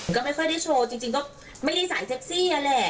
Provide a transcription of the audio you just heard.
ก็ไม่ค่อยได้โชว์จริงก็ไม่ได้สายเซ็กซี่นั่นแหละ